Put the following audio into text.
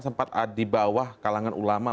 sempat di bawah kalangan ulama